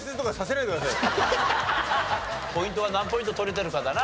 ポイントは何ポイント取れてるかだな。